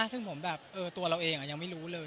ซึ่งผมแบบตัวเราเองยังไม่รู้เลย